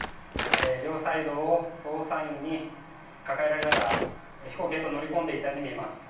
両サイドを捜査員に抱えられながら飛行機へと乗り込んでいったように見えます。